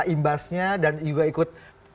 imbasnya dan juga ikut